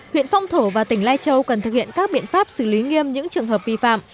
huyện phong thổ và tỉnh lai châu cần thực hiện các biện pháp xử lý nghiêm những trường hợp vi phạm